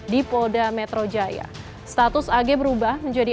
di polda metro jujur status agi berubah menjadi